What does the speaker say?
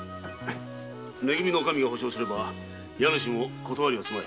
「め組」のおかみが保証すれば家主も断りはすまい。